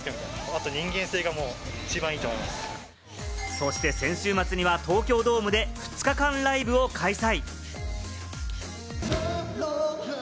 そして先週末には東京ドームで２日間ライブを開催。